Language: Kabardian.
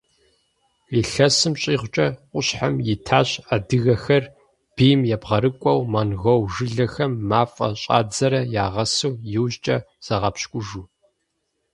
Илъэсым щӏигъукӏэ къущхьэм итащ адыгэхэр, бийм ебгъэрыкӏуэу, монгол жылэхэм мафӏэ щӏадзэрэ ягъэсу, иужькӏэ загъэпщкӏужу.